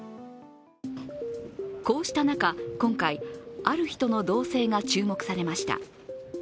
こうした中、今回、ある人の動静が注目されました。